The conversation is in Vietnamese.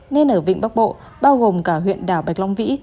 nên ở vịnh bắc bộ bao gồm cả huyện đảo bạch long vĩ